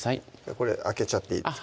これあけちゃっていいですか？